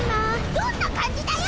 どんな感じだよ！